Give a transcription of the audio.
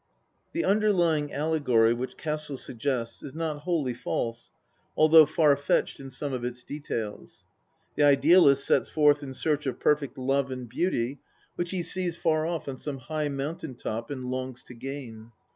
The underlying allegory which Cassel suggests is not wholly false, although far fetched in some of its details. The idealist sets forth in search of perfect love and beauty, which he sees far off on some high mountain top, and longs to gain.